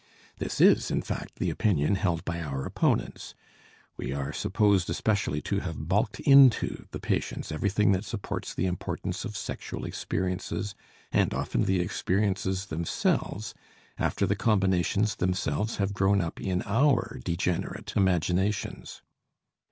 This is in fact the opinion held by our opponents; we are supposed especially to have "balked into" the patients everything that supports the importance of sexual experiences, and often the experiences themselves, after the combinations themselves have grown up in our degenerate imaginations.